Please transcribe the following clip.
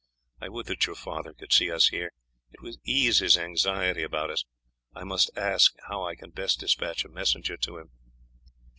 I would that your father could see us here; it would ease his anxiety about us. I must ask how I can best despatch a messenger to him."